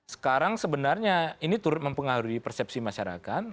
sekarang sebenarnya ini turut mempengaruhi persepsi masyarakat